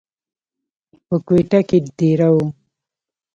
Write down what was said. پۀ کوئټه کښې دېره وو،